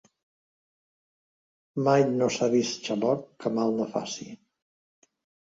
Mai no s'ha vist xaloc que mal no faci.